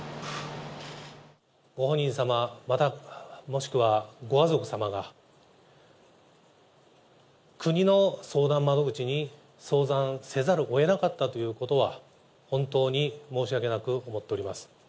ご本人様、もしくはご家族様が、国の相談窓口に相談せざるをえなかったということは、本当に申し訳なく思っております。